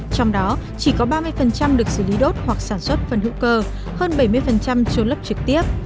trong đó chỉ có ba mươi được xử lý đốt hoặc sản xuất phần hữu cơ hơn bảy mươi trôn lấp trực tiếp